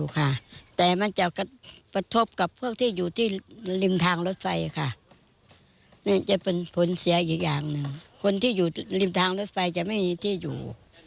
คนที่อยู่ริมทางรถไฟจะไม่มีที่อยู่